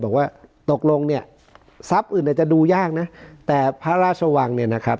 บอกว่าตกลงเนี่ยทรัพย์อื่นอาจจะดูยากนะแต่พระราชวังเนี่ยนะครับ